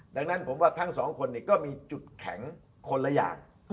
ดังนั้นผมว่าทั้งสองคนก็มีจุดแข็งคนละอย่าง